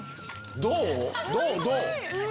どう？